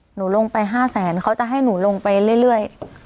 หนูลงไป๕แสนเขาจะให้หนูลงไปเรื่อย